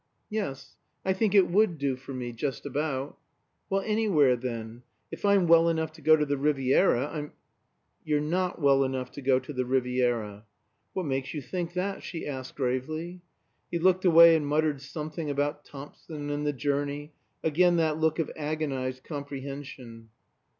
"Yes; I think it would 'do' for me just about." "Well anywhere then. If I'm well enough to go to the Riviera, I'm " "You're not well enough to go to the Riviera." "What makes you think that?" she asked gravely. He looked away and muttered something about "Thompson," and "the journey." Again that look of agonized comprehension!